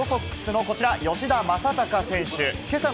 続いて、レッドソックスのこちら、吉田正尚選手。